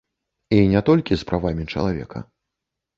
І не толькі з правамі чалавека.